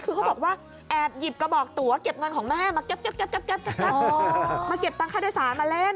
คือเขาบอกว่าแอบหยิบกระบอกตั๋วเก็บเงินของแม่มาเก็บมาเล่น